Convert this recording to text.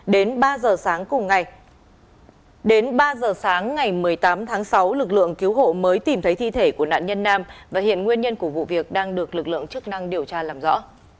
đến ba giờ sáng cùng ngày lực lượng cứu hộ mới tìm thấy thi thể của nạn nhân nam và hiện nguyên nhân của vụ việc đang được lực lượng chức năng điều tra làm rõ